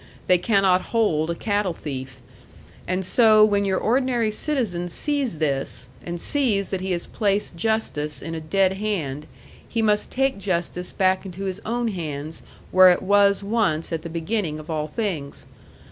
They cannot hold a cattle thief. And so when your ordinary citizen sees this, and sees that he has placed justice in a dead hand, he must take justice back into his own hands where it was once at the beginning of all things.